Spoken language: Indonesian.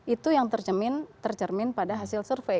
itu yang tercermin pada hasil survei